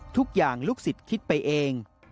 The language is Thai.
ทุกอย่างลูกศิษย์คิดไปเอง